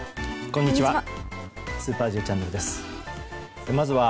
こんにちは。